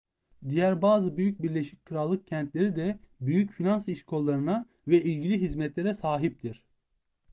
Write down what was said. Diğer bazı büyük Birleşik Krallık kentleri de büyük finans işkollarına ve ilgili hizmetlere sahiptir.